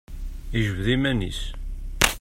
Ijbed iman-is.